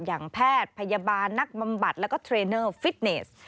อย่างแพทย์พยาบาลนักบำบัดแล้วก็เทรนเนอร์ฟิตเนส